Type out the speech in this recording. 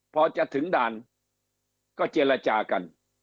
พอจะถึงด่านก็เจรจากัน